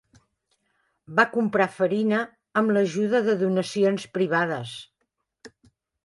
Va comprar farina amb l'ajuda de donacions privades.